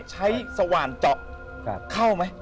สว่านเจาะเข้าไหม